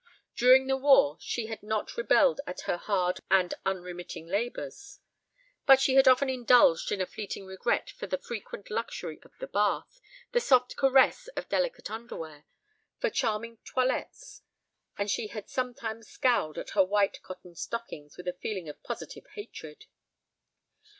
During the war she had not rebelled at her hard and unremitting labors, but she had often indulged in a fleeting regret for the frequent luxury of the bath, the soft caress of delicate underwear, for charming toilettes; and she had sometimes scowled at her white cotton stockings with a feeling of positive hatred.